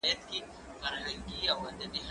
دا مکتب له هغه ښه دی!!